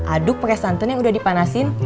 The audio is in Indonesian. aduk pakai santan yang udah dipanasin